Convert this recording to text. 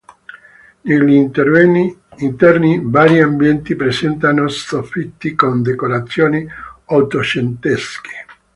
Negli interni vari ambienti presentano soffitti con decorazioni ottocentesche.